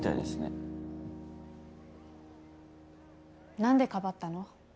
何でかばったの？